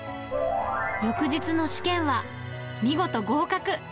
翌日の試験は見事合格！